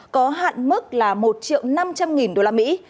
có hạn mức là một triệu năm trăm linh nghìn đô la mỹ